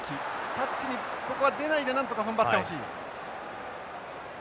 タッチにここは出ないでなんとか踏ん張ってほしい。